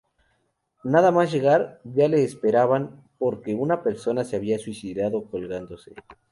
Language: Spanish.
Nada más llegar, ya le esperaban, porque una persona se había suicidado colgándose.